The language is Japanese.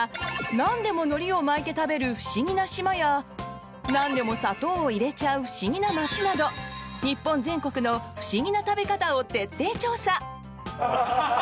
なんでものりを巻いて食べる不思議な島やなんでも砂糖を入れちゃう不思議な町など日本全国の不思議な食べ方を徹底調査。